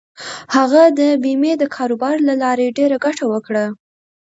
هغه د بېمې د کاروبار له لارې ډېره ګټه وکړه.